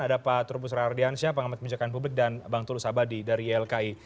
ada pak terobos rajardian pengamat penjagaan publik dan bang tulus abadi dari ilki